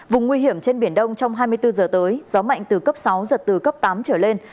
vùng nguy hiểm trên biển đông trong hai mươi bốn giờ tới gió mạnh từ cấp sáu giật từ cấp tám trở lên